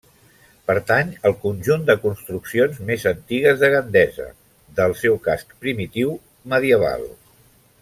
Pertany al conjunt de construccions més antigues de Gandesa, del seu casc primitiu medieval.